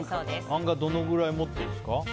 漫画、どのくらい持ってるんですか？